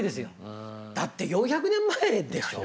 だって４００年前でしょ？